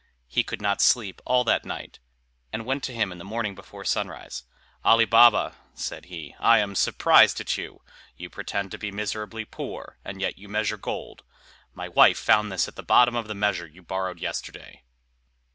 He could not sleep all that night, and went to him in the morning before sunrise. "Ali Baba," said he, "I am surprised at you! you pretend to be miserably poor, and yet you measure gold. My wife found this at the bottom of the measure you borrowed yesterday."